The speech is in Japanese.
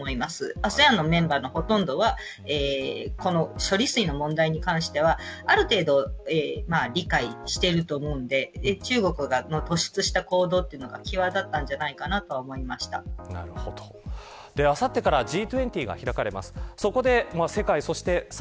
ＡＳＥＡＮのメンバーのほとんどはこの処理水の問題に関してはある程度理解していると思うので中国が突出した行動というのは際立ったんじゃないかなとあさってからＧ２０が開かれます。